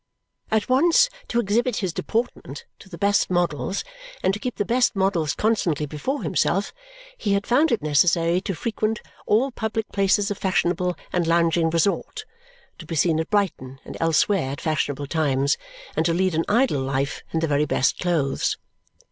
At once to exhibit his deportment to the best models and to keep the best models constantly before himself, he had found it necessary to frequent all public places of fashionable and lounging resort, to be seen at Brighton and elsewhere at fashionable times, and to lead an idle life in the very best clothes.